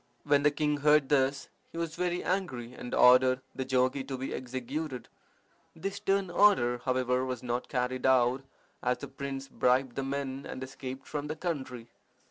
When the king heard this he was very angry, and ordered the jogi to be executed. This stern order, however, was not carried out, as the prince bribed the men and escaped from the country.